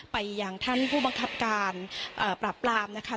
ไปยังท่านผู้บังคับการปราบปรามนะคะ